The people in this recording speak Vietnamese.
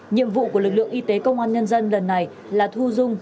nhiệm vụ của lực lượng y tế công an nhân dân lần này là thu dung